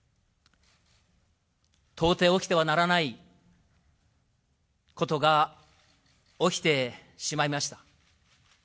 到底起きてはならないことが起きてしまいました。